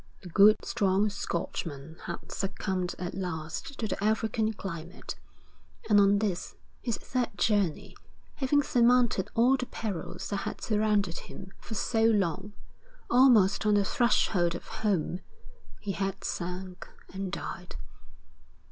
The good, strong Scotchman had succumbed at last to the African climate; and on this, his third journey, having surmounted all the perils that had surrounded him for so long, almost on the threshold of home, he had sunk and died.